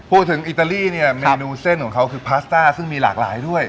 อิตาลีเนี่ยเมนูเส้นของเขาคือพาสต้าซึ่งมีหลากหลายด้วย